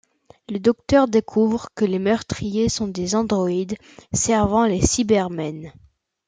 Le Docteur découvre que les meurtriers sont des androïdes servant les Cybermen.